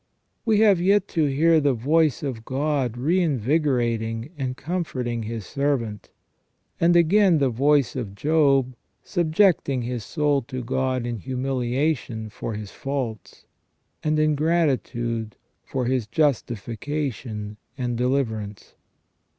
We have yet to hear the voice of God reinvigorating and comforting His servant ; and again the voice of Job, subjecting his soul to God in humiliation for his faults, and in gratitude for his justification and deliverance.